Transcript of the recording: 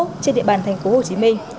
trên địa bàn tp hcm